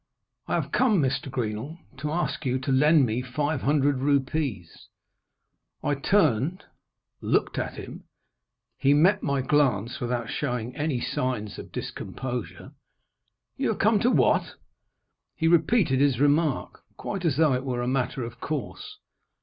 "I have come, Mr. Greenall, to ask you to lend me five hundred rupees." I turned. I looked at him. He met my glance without showing any signs of discomposure. "You have come to what?" He repeated his remark quite as though it were a matter of course.